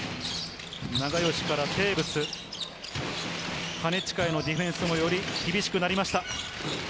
永吉からテーブス、金近へのディフェンスもより厳しくなりました。